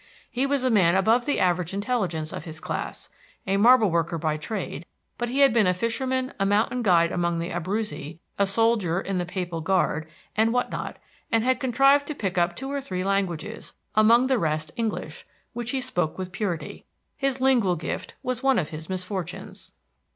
He was a man above the average intelligence of his class; a marble worker by trade, but he had been a fisherman, a mountain guide among the Abruzzi, a soldier in the papal guard, and what not, and had contrived to pick up two or three languages, among the rest English, which he spoke with purity. His lingual gift was one of his misfortunes.